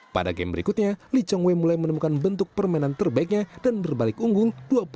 pada game berikutnya lee chong wei mulai menemukan bentuk permainan terbaiknya dan berbalik unggul dua puluh satu